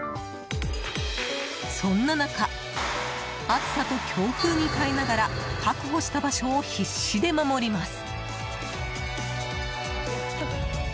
そんな中暑さと強風に耐えながら確保した場所を必死で守ります。